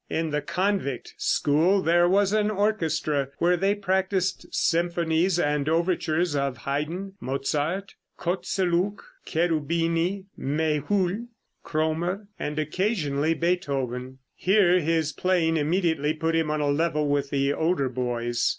In the "Convict" school there was an orchestra where they practiced symphonies and overtures of Haydn, Mozart, Kotzeluch, Cherubini, Méhul, Krommer, and occasionally Beethoven. Here his playing immediately put him on a level with the older boys.